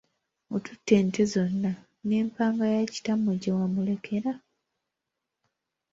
Otutte ente zonna, ne mpanga ya kitamwe gye yamulekera.